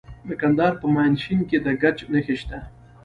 د کندهار په میانشین کې د ګچ نښې شته.